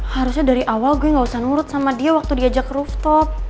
harusnya dari awal gue gak usah nurut sama dia waktu diajak rooftop